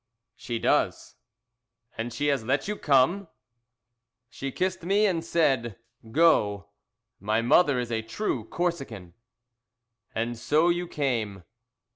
"She does." "And she has let you come?" "She kissed me, and said, 'Go.' My mother is a true Corsican." "And so you came."